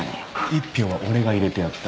１票は俺が入れてやった。